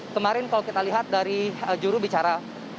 kemarin kalau kita lihat dari juru bicara